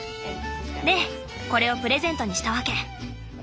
でこれをプレゼントにしたわけ。